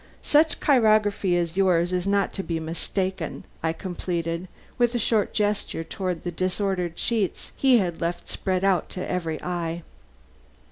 "Such chirography as yours is not to be mistaken," I completed, with a short gesture toward the disordered sheets he had left spread out to every eye.